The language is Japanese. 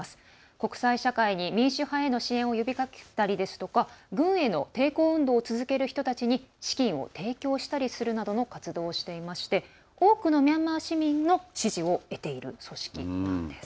国際社会に民主派への支援を呼びかけたりですとか軍への抵抗運動を続ける人たちに資金を提供したりするなどの活動をしていまして多くのミャンマー市民の支持を得ている組織なんです。